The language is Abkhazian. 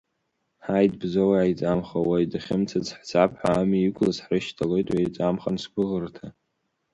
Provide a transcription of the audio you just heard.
Ҳаит, Бзоу аиҵамха, уаҩ дахьымцац ҳцап ҳәа амҩа иқәлаз ҳрышьҭалоит, уеиҵамхан, сгәыӷырҭа!